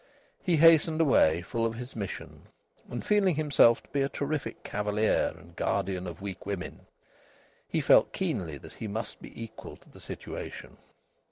He hastened away, full of his mission, and feeling himself to be a terrific cavalier and guardian of weak women. He felt keenly that he must be equal to the situation.